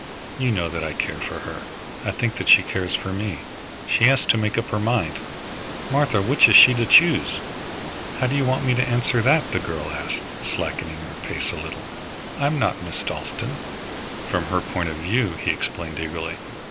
You know that I care for her. I think that she cares for me. She has to make up her mind. Martha, which is she to choose?" "How do you want me to answer that?" the girl asked, slackening her pace a little. "I'm not Miss Dalstan." "From her point of view," he explained eagerly.